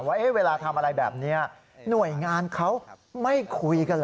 ว่าเวลาทำอะไรแบบนี้หน่วยงานเขาไม่คุยกันเหรอ